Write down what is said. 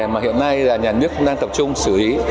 mà hiện nay là nhà nước cũng đang tập trung xử lý